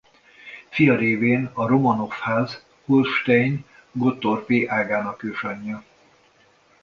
Fia révén a Romanov-ház holstein–gottorpi ágának ősanyja.